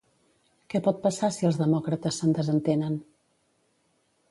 Què pot passar si els demòcrates se'n desentenen?